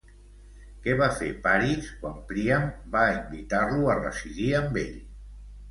Què va fer Paris quan Príam va invitar-lo a residir amb ell?